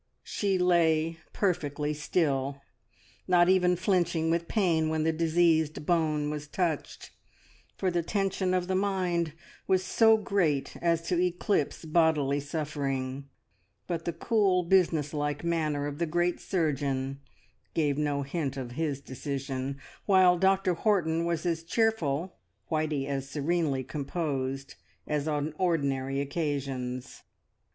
She lay perfectly still, not even flinching with pain when the diseased bone was touched, for the tension of mind was so great as to eclipse bodily suffering; but the cool, business like manner of the great surgeon gave no hint of his decision, while Dr Horton was as cheerful, Whitey as serenely composed, as on ordinary occasions.